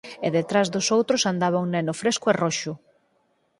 E detrás dos outros andaba un neno fresco e roxo.